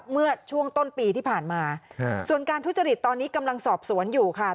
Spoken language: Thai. เมื่อช่วงต้นปีที่ผ่านมาส่วนการทุจริตตอนนี้กำลังสอบสวนอยู่ค่ะ